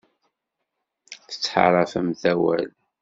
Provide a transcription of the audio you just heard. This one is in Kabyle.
Tettḥaṛafemt awal.